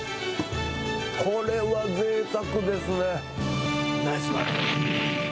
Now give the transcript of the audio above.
これはぜいたくですね。